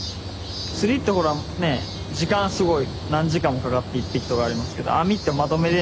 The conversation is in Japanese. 釣りってほらね時間すごい何時間もかかって１匹とかありますけど網ってまとめて